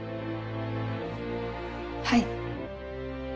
はい。